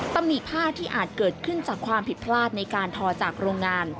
ตำหนิผ้าที่อาจเกิดขึ้นจากความผิดพลาดในการทอจากโรงงาน